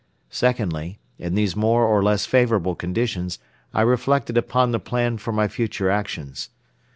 Secondly, in these more or less favorable conditions I reflected upon the plan for my future actions.